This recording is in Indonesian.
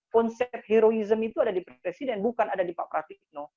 konsep heroism itu ada di presiden bukan ada di pak pratikno